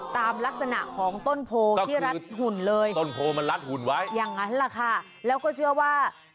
ตามลักษณะของต้นโพที่รัดหุ่นเลยอย่างนั้นแหละค่ะแล้วก็เชื่อว่า